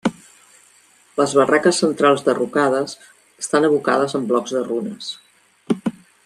Les barraques centrals derrocades estan evocades amb blocs de runes.